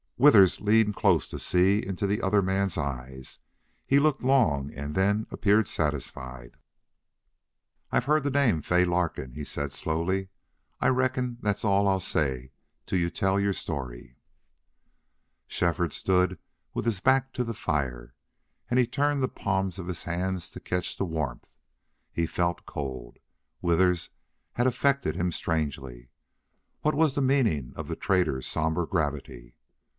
Withers leaned closer to see into the other man's eyes; he looked long and then appeared satisfied. "I've heard the name Fay Larkin," he said, slowly. "I reckon that's all I'll say till you tell your story." ........... Shefford stood with his back to the fire and he turned the palms of his hands to catch the warmth. He felt cold. Withers had affected him strangely. What was the meaning of the trader's somber gravity?